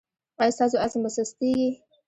ایا ستاسو عزم به سستیږي؟